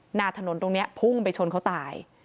หน้าถนนตรงนี้พุ่งไปชนเขาตาย